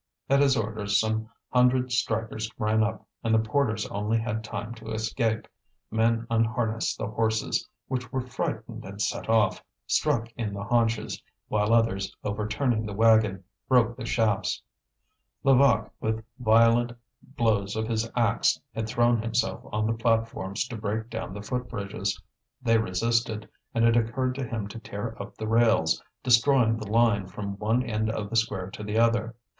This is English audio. At his orders some hundred strikers ran up, and the porters only had time to escape. Men unharnessed the horses, which were frightened and set off, struck in the haunches; while others, overturning the wagon, broke the shafts. Levaque, with violent blows of his axe, had thrown himself on the platforms to break down the foot bridges. They resisted, and it occurred to him to tear up the rails, destroying the line from one end of the square to the other.